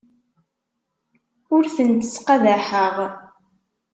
Ur tent-ttqabaḥeɣ.